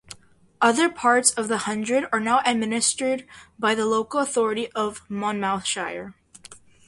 Other parts of the hundred are now administered by the local authority of Monmouthshire.